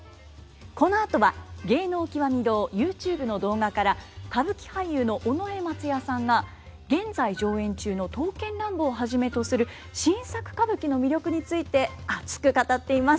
このあとは「芸能きわみ堂ＹｏｕＴｕｂｅ」の動画から歌舞伎俳優の尾上松也さんが現在上演中の「刀剣乱舞」をはじめとする新作歌舞伎の魅力について熱く語っています。